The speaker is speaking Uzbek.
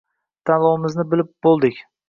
Tanlovimizni qilib bo'ldik.